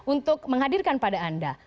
untuk menghadirkan pada anda